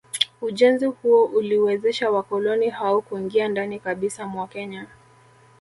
Ujenzi huo uliwezesha wakoloni hao kuingia ndani kabisa mwa Kenya